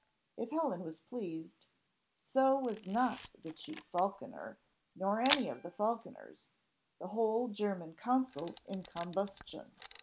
If Helen was pleased, so was not the chief falconer, nor any of the falconers, the whole German council in combustion!